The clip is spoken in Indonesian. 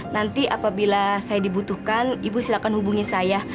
nanti apabila saya dibutuhkan ibu silakan hubungi saya